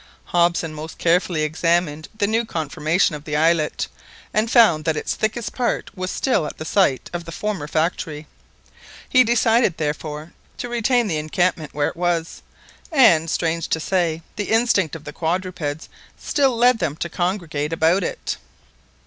Hobson most carefully examined the new conformation of the islet, and found that its thickest part was still at the site of the former factory. He decided, therefore, to retain the encampment where it was, and, strange to say, the instinct of the quadrupeds still led them to congregate about it.